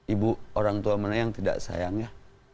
ibu orang tua mana yang tidak sayang ya